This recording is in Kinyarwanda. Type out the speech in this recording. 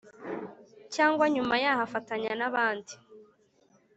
cyangwa nyuma yaho afatanya n abandi